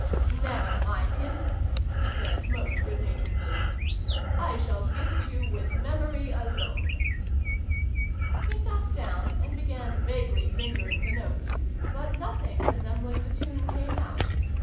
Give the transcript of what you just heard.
" Nevare mind him !" he said, most good naturedly. " I shall give it you with memory alone !" He sat down, and began vaguely fing ering the notes ; but nothing resembling the tune came out.